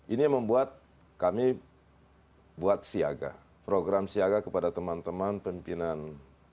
ini membuat kami buat siaga program siaga kepada teman teman pimpinan